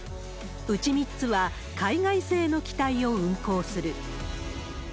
うち３つは、海外製の機体を運航する。